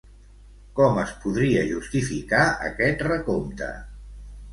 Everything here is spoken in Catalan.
Com es podria justificar aquest recompte?